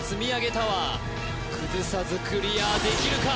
タワー崩さずクリアできるか？